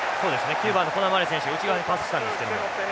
９番のコナーマリー選手が内側にパスしたんですけど。